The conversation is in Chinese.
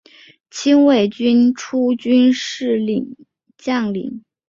清末民初军事将领。